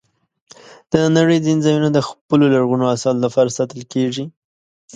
د نړۍ ځینې ځایونه د خپلو لرغونو آثارو لپاره ساتل کېږي.